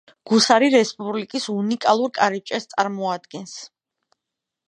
გუსარი რესპუბლიკის უნიკალურ კარიბჭეს წარმოადგენს.